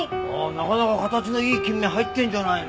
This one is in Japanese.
なかなか形のいいキンメ入ってるじゃないの。